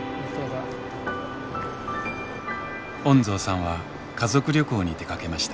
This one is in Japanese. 恩蔵さんは家族旅行に出かけました。